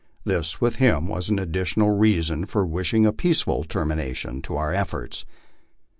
This with him was an additional reason for wishing a peaceful termination to our efforts.